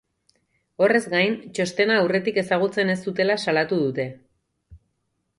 Horrez gain, txostena aurretik ezagutzen ez zutela salatu dute.